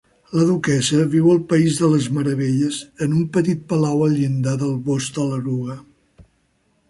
La duquessa viu al País de les Meravelles en un petit palau al llindar del bosc de l'Eruga.